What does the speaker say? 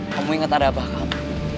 kamu inget ada abah kamu